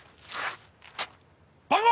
番号！